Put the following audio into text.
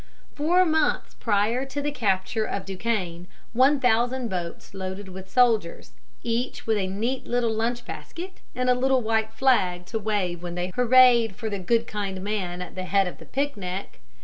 Four months prior to the capture of Duquesne, one thousand boats loaded with soldiers, each with a neat little lunch basket and a little flag to wave when they hurrahed for the good kind man at the head of the picnic, viz.